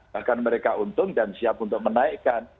bahkan mereka untung dan siap untuk menaikkan